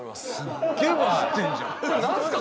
すっげえバズってんじゃん何すか！？